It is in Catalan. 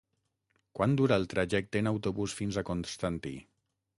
Quant dura el trajecte en autobús fins a Constantí?